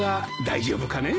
大丈夫かね？